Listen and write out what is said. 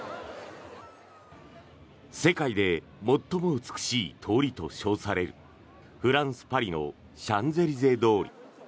世界で最も美しい通りと称されるフランス・パリのシャンゼリゼ通り。